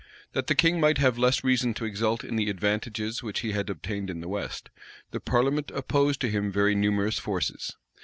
That the king might have less reason to exult in the advantages which he had obtained in the west, the parliament opposed to him very numerous forces.